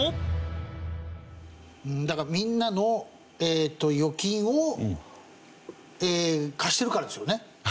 みんなの預金を貸してるからですよね。